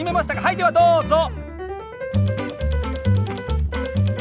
はいではどうぞ！